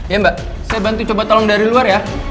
ya mbak saya bantu coba tolong dari luar ya